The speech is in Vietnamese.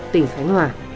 tỉnh khánh hòa